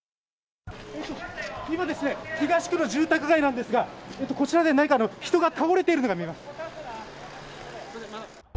今ですね、東区の住宅街なんですが、こちらで何か、人が倒れているのが見えます。